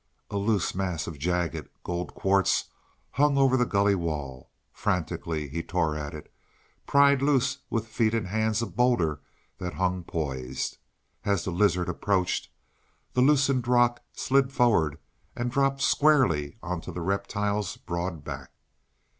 A loose mass of the jagged, gold quartz hung over the gully wall. Frantically he tore at it pried loose with feet and hands a bowlder that hung poised. As the lizard approached, the loosened rock slid forward, and dropped squarely upon the reptile's broad back.